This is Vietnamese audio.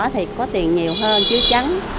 thì có tiền nhiều hơn chiếu trắng